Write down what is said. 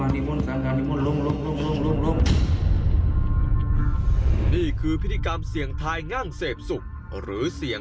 หันล้วยหันล้วยหันล้วยหันล้วยหันล้วยหันล้วยหันล้วย